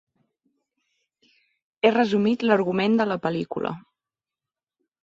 He resumit l'argument de la pel·lícula.